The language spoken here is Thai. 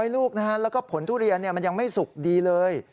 ลูกนะฮะแล้วก็ผลทุเรียนมันยังไม่สุกดีเลย